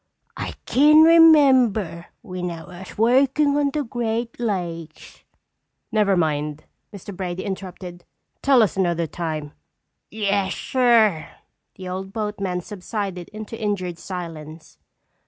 I kin remember when I was workin' on the Great Lakes—" "Never mind!" Mr. Brady interrupted. "Tell us another time!" "Yes, sir." The old boatman subsided into injured silence.